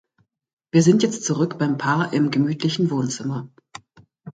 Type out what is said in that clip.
Wir sind jetzt zurück beim Paar im gemütlichen Wohnzimmer.